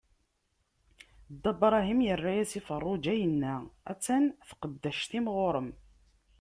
Dda Bṛahim irra-as i Feṛṛuǧa, inna: a-tt-an tqeddact-im ɣur-m.